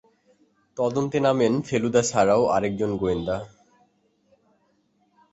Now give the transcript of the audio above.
তদন্তে নামেন ফেলুদা ছাড়াও আরেকজন গোয়েন্দা।